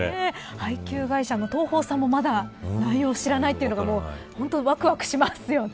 配給会社の東宝さんもまだ内容を知らないというのがわくわくしますよね。